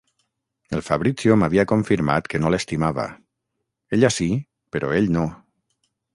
El Fabrizio m'havia confirmat que no l'estimava... ella sí, però ell no!